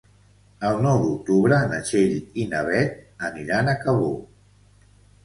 El nou d'octubre na Txell i na Beth aniran a Cabó.